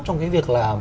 trong cái việc là